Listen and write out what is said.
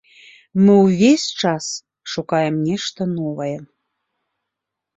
Мы ўвесь час шукаем нешта новае.